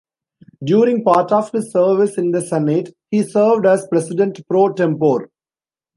During part of his service in the Senate, he served as President pro tempore.